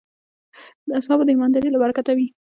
د اصحابو د ایماندارۍ له برکته وې.